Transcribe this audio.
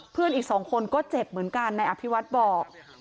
เพื่อนอีกสองคนก็เจ็บเหมือนกันนายอภิวัฒน์บอก